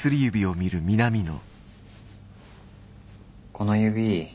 この指